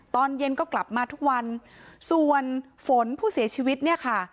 ตอนเย็นก็กลับมาทุกวันส่วนฝนผู้เสียชีวิตเนี่ยค่ะ